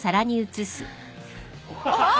あっ！